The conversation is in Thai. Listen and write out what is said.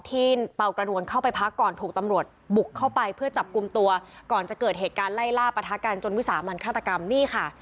เป่ากระนวลเข้าไปพักก่อนถูกตำรวจบุกเข้าไปเพื่อจับกลุ่มตัวก่อนจะเกิดเหตุการณ์ไล่ล่าปะทะกันจนวิสามันฆาตกรรมนี่ค่ะ